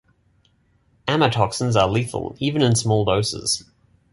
Amatoxins are lethal in even small doses.